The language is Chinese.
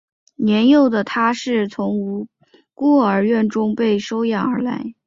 年幼的他是从孤儿院中被收养而来。